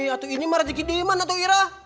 atu ini mah rezeki diman atu irah